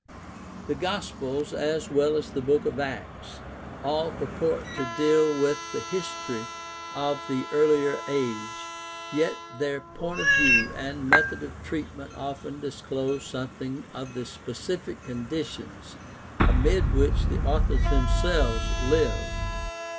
The Gospels, as well as the Book of Acts, all purport to deal with the history of the earlier age, yet their point of view and method of treatment often dis close something of the specific conditions amid which the authors themselves lived.